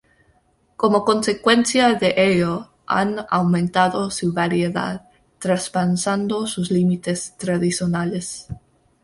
Como consecuencia de ello han aumentado su variedad, traspasando sus límites tradicionales.